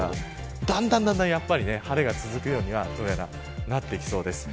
だんだん晴れが続くようにはなってきそうです。